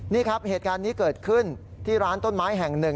นี่ครับเหตุการณ์นี้เกิดขึ้นที่ร้านต้นไม้แห่งหนึ่ง